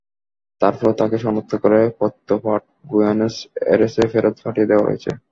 তার পরও তাঁকে শনাক্ত করে পত্রপাঠ বুয়েনস এইরেসে ফেরত পাঠিয়ে দেওয়া হয়েছে।